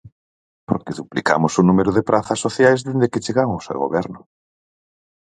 Porque duplicamos o número de prazas sociais dende que chegamos ao Goberno.